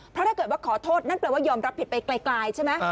เพราะถ้าเกิดว่าขอโทษนั่นแปลว่ายอมรับผิดไปไกลใช่ไหม